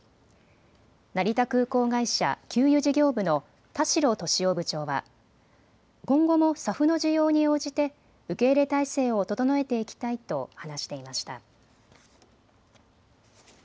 成田空港会社給油事業部の田代敏雄部長は今後もＳＡＦの需要に応じて受け入れ体制を整えていきたいと話していました。